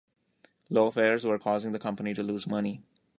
Low fares were causing the company to lose money.